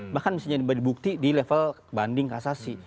bahkan bisa jadi bukti di level banding kasasi